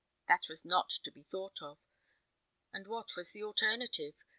That was not to be thought of; and what was the alternative?